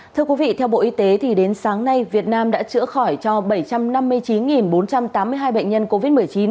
thưa quý vị theo bộ y tế đến sáng nay việt nam đã chữa khỏi cho bảy trăm năm mươi chín bốn trăm tám mươi hai bệnh nhân covid một mươi chín